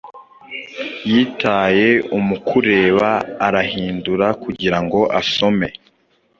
Yitaye umukureba arahindura kugira ngo asome